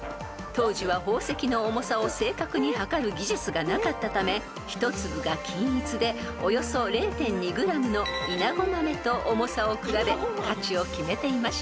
［当時は宝石の重さを正確にはかる技術がなかったため１粒が均一でおよそ０．２ｇのイナゴ豆と重さを比べ価値を決めていました］